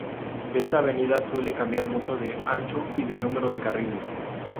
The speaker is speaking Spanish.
Esta avenida suele cambiar mucho de ancho y de número de carriles.